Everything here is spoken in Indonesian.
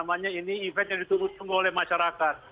namanya ini event yang diturut turut oleh masyarakat